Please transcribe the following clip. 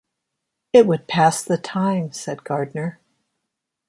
“It would pass the time,” said Gardner.